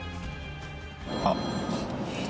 あっ。